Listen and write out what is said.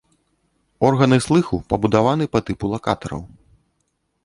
Органы слыху пабудаваны па тыпу лакатараў.